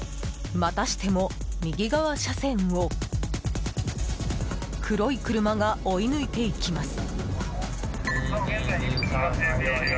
またしても右側車線を黒い車が追い抜いていきます。